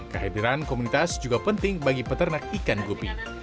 kehadiran komunitas juga penting bagi peternak ikan gupi